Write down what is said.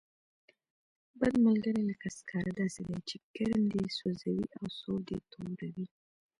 بد ملګری لکه سکاره داسې دی، چې ګرم دې سوځوي او سوړ دې توروي.